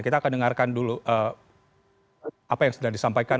kita akan dengarkan dulu apa yang sedang disampaikan